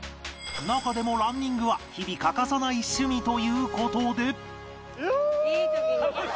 中でもランニングは日々欠かさない趣味という事で